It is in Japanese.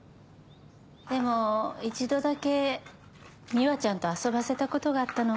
でも一度だけ美羽ちゃんと遊ばせたことがあったの。